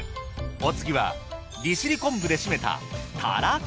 お次は利尻昆布で〆たたらこ。